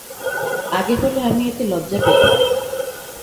আগে হলে আমি এতে লজ্জা পেতুম।